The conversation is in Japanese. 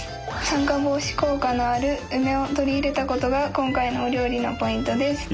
酸化防止効果のある梅を取り入れたことが今回のお料理のポイントです。